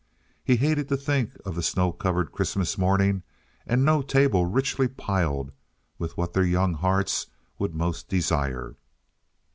He hated to think of the snow covered Christmas morning and no table richly piled with what their young hearts would most desire.